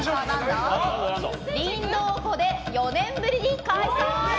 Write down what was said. りんどう湖で４年ぶりに開催！